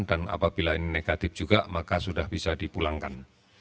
dan apabila ini negatif juga maka sudah bisa dipulangkan